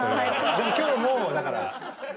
でも今日もだからあの。